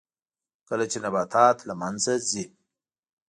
کله چې نباتات له منځه ځي